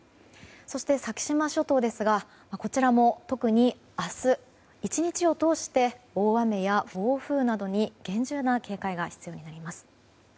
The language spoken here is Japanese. そして先島諸島ですがこちらも特に明日１日を通して大雨や暴風などに厳重な警戒が必要になります。